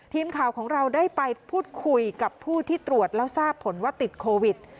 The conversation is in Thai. ทีมข่าวของเราได้ไปพูดคุยกับผู้ที่ตรวจแล้วทราบผลว่าติดโควิด